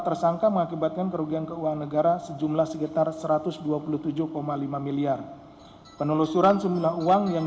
terima kasih atas penontonannya